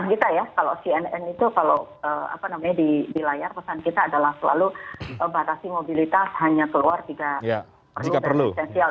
kita ya kalau cnn itu kalau di layar pesan kita adalah selalu batasi mobilitas hanya keluar jika perlu